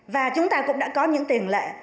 và chúng ta cũng đã có những tiền lệ